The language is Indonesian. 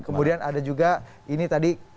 kemudian ada juga ini tadi